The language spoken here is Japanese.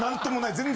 全然。